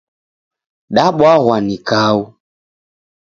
Dabwaghwa ni kau.